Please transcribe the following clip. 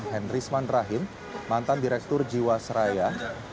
henry sman rahim mantan direktur jiwasraya